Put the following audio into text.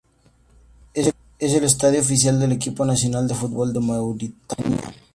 Es el estadio oficial del equipo nacional de fútbol de Mauritania.